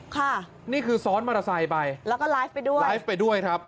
ค่ะนี่คือซ้อนมอเตอร์ไซค์ไปแล้วก็ไลฟ์ไปด้วยไลฟ์ไปด้วยครับ